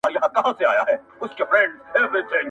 o خدايه پاكه صرف يو دانه يار راتــــه وســـــــاتـــــــــــه.